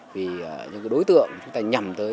vì những đối tượng chúng ta nhầm tới